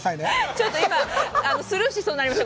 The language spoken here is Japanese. ちょっと今、スルーしそうになりました。